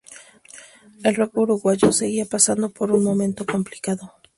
El rock uruguayo seguía pasando por un momento complicado.